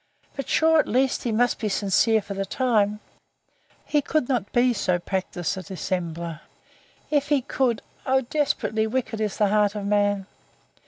But sure, at least, he must be sincere for the time!—He could not be such a practised dissembler!—If he could, O how desperately wicked is the heart of man!